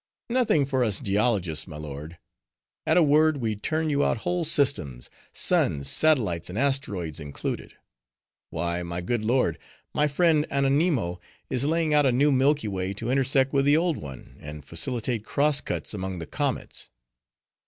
"Nothing for us geologists, my lord. At a word we turn you out whole systems, suns, satellites, and asteroids included. Why, my good lord, my friend Annonimo is laying out a new Milky Way, to intersect with the old one, and facilitate cross cuts among the comets."